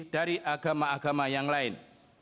dari agama agama yang lain